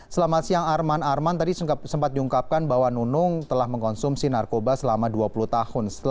selamat siang arman arman tadi sempat diungkapkan bahwa nunung telah mengkonsumsi narkoba selama dua puluh tahun